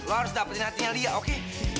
lo harus dapetin hatinya lia oke